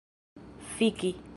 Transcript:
fiki